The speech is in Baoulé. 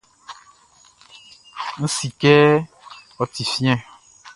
N si kɛ ɔ ti fiɛn.